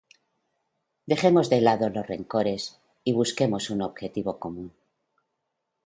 Dejemos de lado los rencores y busquemos un objetivo común.